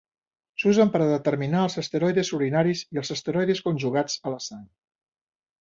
S'usen per a determinar els esteroides urinaris i els esteroides conjugats a la sang.